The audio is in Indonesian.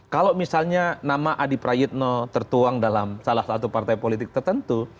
kalau misalnya nama adi prayitno tertuang dalam salah satu partai politik tertentu